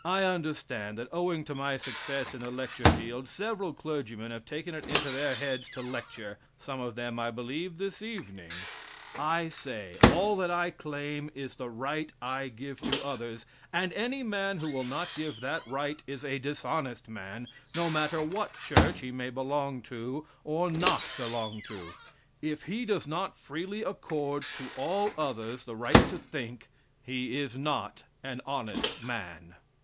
I understand that owing to my success in the lecture field several clergymen have taken it into their heads to lecture some of them, I believe, this evening. I say all that I claim is the right I give to others, and any man who will not give that right is a dishonest man, no matter what church he may belong to or not belong to if he does not freely accord to all others the right to think, he is not an honest man.